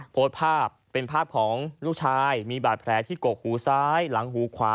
โพสต์ภาพเป็นภาพของลูกชายมีบาดแผลที่กกหูซ้ายหลังหูขวา